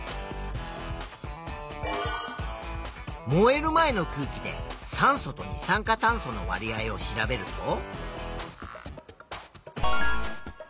燃える前の空気で酸素と二酸化炭素のわり合を調べると。